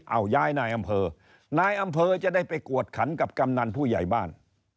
เอาย้ายนายอำเภอนายอำเภอจะได้ไปกวดขันกับกำนันผู้ใหญ่บ้าน